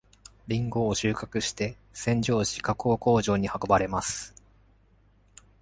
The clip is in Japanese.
りんごを収穫して、洗浄し加工工場に運ばれます。